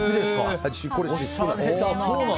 これ私服なの。